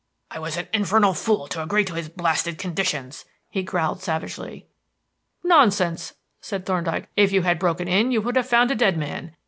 "I was an infernal fool to agree to his blasted conditions," he growled savagely. "Nonsense," said Thorndyke. "If you had broken in you would have found a dead man.